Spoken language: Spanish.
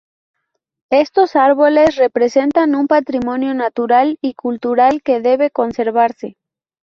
Estos árboles representan un patrimonio natural y cultural que debe conservarse.